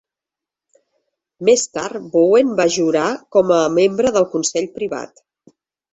Més tard, Bowen va jurar com a membre del Consell Privat.